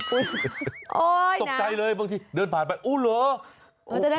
ตกใจเลยบางทีเดินผ่านไปอู้เหรอ